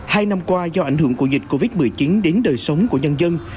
hai năm qua do ảnh hưởng của dịch covid một mươi chín đến đời sống của nhân dân